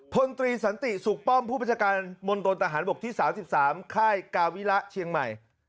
พลตรีสันติสุขป้อมผู้ประชาการมณฑนทหารบกที่๓๓ค่ายกาวิระเชียงใหม่